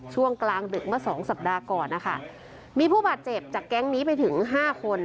ช่วงกลางดึกเมื่อสองสัปดาห์ก่อนนะคะมีผู้บาดเจ็บจากแก๊งนี้ไปถึงห้าคน